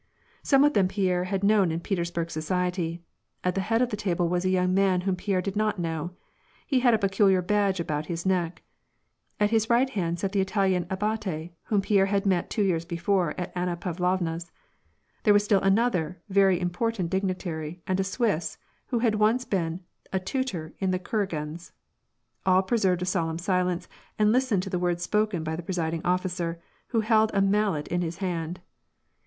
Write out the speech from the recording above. Some of them Pierre had known in Petersburg society. At the head of the table was a young man whom Pierre did not know : he had a peculiar badge around his neck. At his right hand sat the Italian abbate whom Pierre had met two years before at Anna Pavlovna's. There was still another very important dignitary, and a Swiss, who had once been a tutor at the Kur agins'. All preserved a solemn silence, and listened to the words spoken by the presiding officer, who held a mallet in his hand.